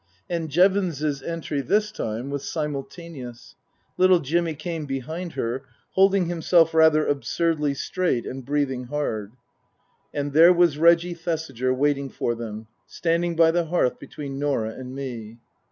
And Jevons's entry, this time, was simultaneous. Little Jimmy came behind her, holding himself rather absurdly straight and breathing hard. And there was Reggie Thesiger waiting for them, standing by the hearth between Norah and me.